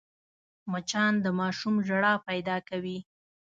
مچان د ماشوم ژړا پیدا کوي